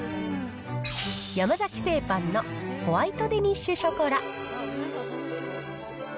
山崎製パンのホワイトデニッシュショコラ。